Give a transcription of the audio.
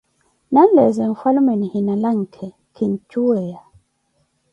Nanleeze mfwalume nihina lanke, kinjuweya.